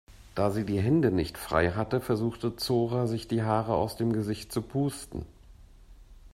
Da sie die Hände nicht frei hatte, versuchte Zora sich die Haare aus dem Gesicht zu pusten.